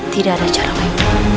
tidak ada cara lain